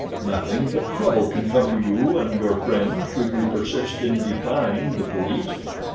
Nothing but trouble can come to you and your friends should you persist in defying the police.